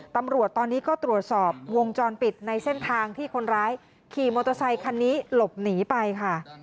ตำรวจตอนนี้ก็ตรวจสอบวงจรปิดในเส้นทางที่คนร้ายขี่มอเตอร์ไซคันนี้หลบหนีไปค่ะ